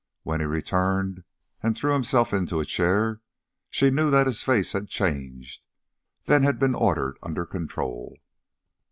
When he returned and threw himself into a chair, she knew that his face had changed, then been ordered under control.